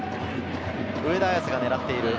上田綺世が狙っている。